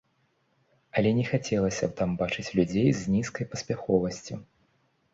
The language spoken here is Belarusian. Але не хацелася б там бачыць людзей з нізкай паспяховасцю.